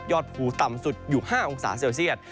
ภูต่ำสุดอยู่๕องศาเซลเซียต